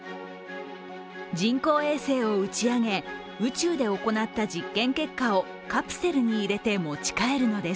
人工衛星を打ち上げ、宇宙で行った実験結果をカプセルに入れて持ち帰るのです。